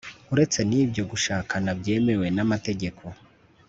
uretse n'ibyo gushakana byemewe n'amategeko